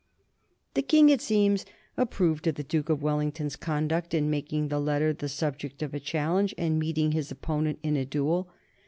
The King, it seems, approved of the Duke of Wellington's conduct in making the letter the subject of a challenge and meeting his opponent in a duel.